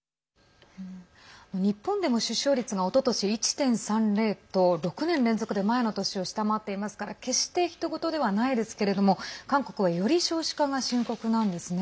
日本でも出生率がおととし１．３０と６年連続で前の年を下回っていますから決してひと事ではないですけれども韓国は、より少子化が深刻なんですね。